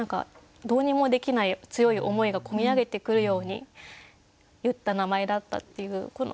どうにもできない強い思いが込み上げてくるように言った名前だったっていう。